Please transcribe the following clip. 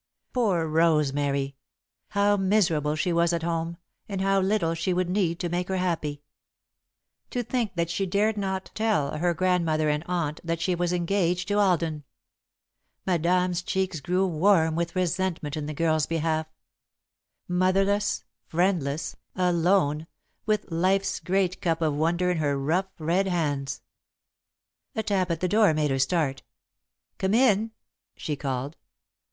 Poor Rosemary! How miserable she was at home, and how little she would need to make her happy! To think that she dared not tell her Grandmother and Aunt that she was engaged to Alden! Madame's cheeks grew warm with resentment in the girl's behalf. Motherless, friendless, alone, with Life's great cup of wonder in her rough, red hands! [Sidenote: "Fussed Over"] A tap at the door made her start. "Come in!" she called.